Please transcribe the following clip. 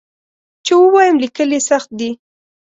چې ووایم لیکل یې سخت دي.